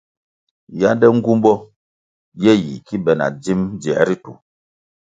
Yánde nğumbo ye yi ki be na dzim dzier ritu.